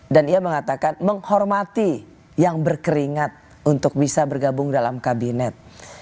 dan ia mengatakan menghormati yang berkeringat untuk bisa bergabung dalam kabinet